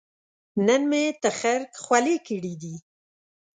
نن مې تخرګ خولې کړې دي